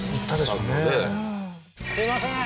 すいません